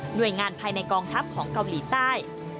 โดยงานภายในกองทัพของเกาหลีใต้